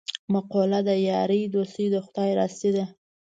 مقوله ده: یاري دوستي د خدای راستي ده.